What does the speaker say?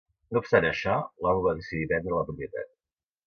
No obstant això, l'amo va decidir vendre la propietat.